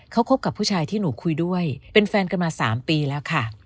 เขาคบกับผู้ชายที่หนูคุยด้วยเป็นแฟนกันมา๓ปีแล้วค่ะ